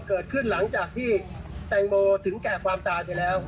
เกิดขึ้นหลังจากที่แตงโมถึงแก่ความตายไปแล้ว